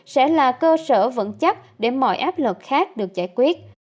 sẽ là cơ sở vững chắc để mọi áp lực khác được giải quyết